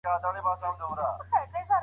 که ئې ويل چي ما د ميرمني د بيرولو اراده لرله.